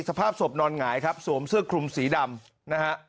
สภาพศพนอนหงายครับสวมเสื้อคลุมสีดำนะฮะ